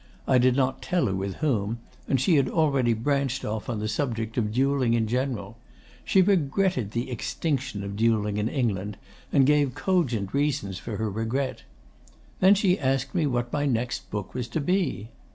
I did not tell her with whom, and she had already branched off on the subject of duelling in general. She regretted the extinction of duelling in England, and gave cogent reasons for her regret. Then she asked me what my next book was to be.